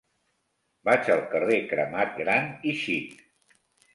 Vaig al carrer Cremat Gran i Xic.